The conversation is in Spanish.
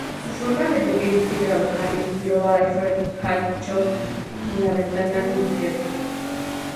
Su forma de vivir y trabajar inspiró a Alfred Hitchcock en "La Ventana Indiscreta".